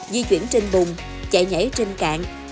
di chuyển trên bùng chạy nhảy trên cạn